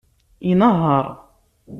Inehheṛ.